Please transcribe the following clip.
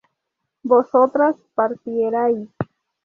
¿vosotras partierais?